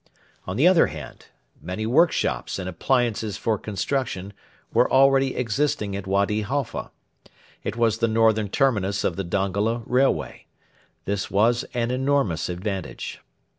On the other hand, many workshops and appliances for construction were already existing at Wady Halfa. It was the northern terminus of the Dongola railway. This was an enormous advantage.